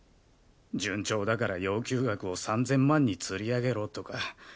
順調だから要求額を３千万につり上げろとか。